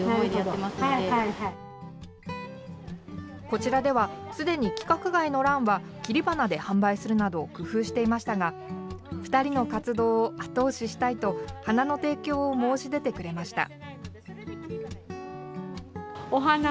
こちらではすでに規格外のランは切り花で販売するなど工夫していましたが２人の活動を後押ししたいと花の提供を申し出てくれました。